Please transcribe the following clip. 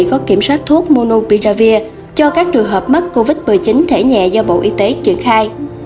có kiểm soát thuốc monopiravir cho các trường hợp mắc covid một mươi chín thể nhẹ do bộ y tế triển khai